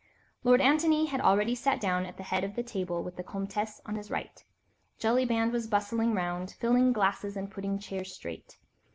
Lord Antony had already sat down at the head of the table with the Comtesse on his right. Jellyband was bustling round, filling glasses and putting chairs straight.